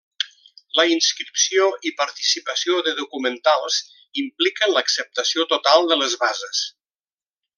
La inscripció i participació de documentals impliquen l’acceptació total de les bases.